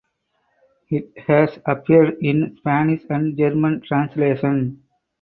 It has appeared in Spanish and German translation.